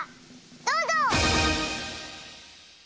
どうぞ！